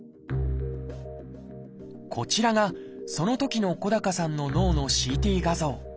こちらがそのときの小高さんの脳のＣＴ画像。